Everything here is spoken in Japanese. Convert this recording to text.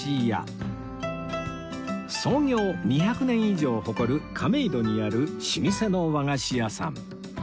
創業２００年以上を誇る亀戸にある老舗の和菓子屋さん